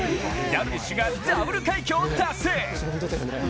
ダルビッシュがダブル快挙を達成。